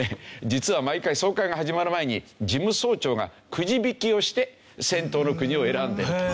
実は毎回総会が始まる前に事務総長がクジ引きをして先頭の国を選んでると。